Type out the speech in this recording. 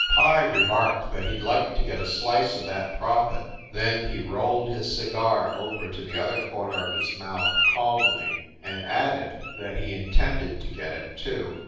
Pye remarked that he d like to get a slice of that profit; then he rolled his cigar over to the other corner of his mouth calmly and added that he in tended to get it, too.